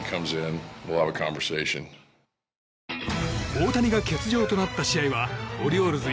大谷が欠場となった試合はオリオールズ